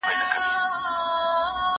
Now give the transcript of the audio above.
زه هره ورځ انځور ګورم؟